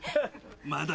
まだ。